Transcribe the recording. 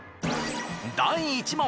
第１問。